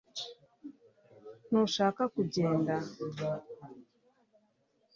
ntushaka kugenda